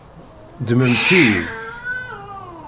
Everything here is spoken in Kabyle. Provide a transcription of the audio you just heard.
Ddmemt-iyi.